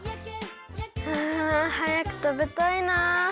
あはやくたべたいなあ。